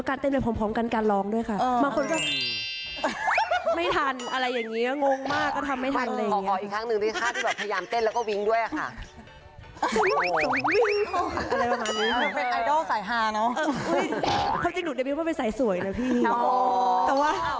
คือวิ่งแล้วก็เต้นไปพร้อมกันการร้อนด้วยค่ะ